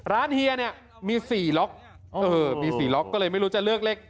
เฮียเนี่ยมี๔ล็อกมี๔ล็อกก็เลยไม่รู้จะเลือกเลข